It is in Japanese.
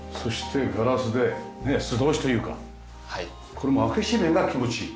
これも開け閉めが気持ちいい。